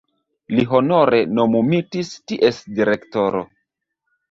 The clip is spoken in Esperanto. Li honore nomumitis ties direktoro.